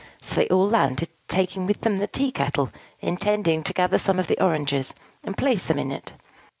So they all landed, taking with them the tea kettle, intending to gather some of the oranges, and place them in it.